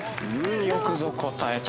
よくぞ答えた。